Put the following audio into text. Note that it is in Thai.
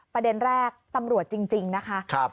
ประเด็นแรกตำรวจจริงนะคะ